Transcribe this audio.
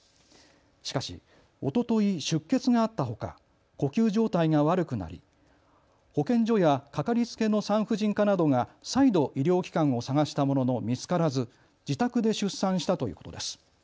しかし、おととい出血があったほか呼吸状態が悪くなり保健所や掛かりつけの産婦人科などが再度、医療機関を探したものの見つからず、自宅で出産したということです。